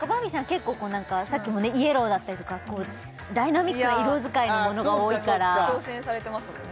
結構こう何かさっきもイエローだったりとかダイナミックな色使いのものが多いから挑戦されてますもんね